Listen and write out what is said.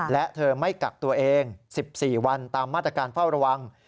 และเธอไม่กักตัวเอง๑๔วันตามมาตรการเฝ้าระวัง